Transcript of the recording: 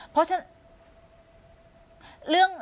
เพราะฉะนั้น